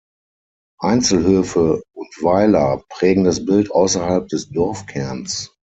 Einzelhöfe und Weiler prägen das Bild ausserhalb des Dorfkerns.